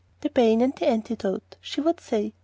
"The bane and the antidote," she would say.